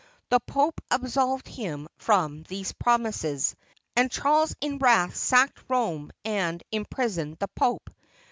The Pope absolved him from these promises, and Charles in wrath sacked Rome and im prisoned the Pope.